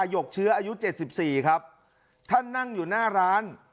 หยกเชื้ออายุเจ็ดสิบสี่ครับท่านนั่งอยู่หน้าร้าน